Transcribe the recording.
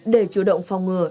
để chủ động phòng ngừa